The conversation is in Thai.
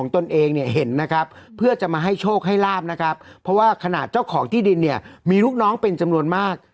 ตนเองเนี่ยเห็นนะครับเพื่อจะมาให้โชคให้ลาบนะครับเพราะว่าขนาดเจ้าของที่ดินเนี่ยมีลูกน้องเป็นจำนวนมาก